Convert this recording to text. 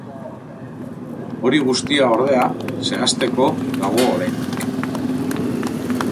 Hori guztia, ordea, zehazteako dago oraindik.